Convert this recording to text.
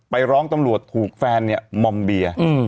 ไปร้องตำรวจถูกแฟนเนี่ยมอมเบียร์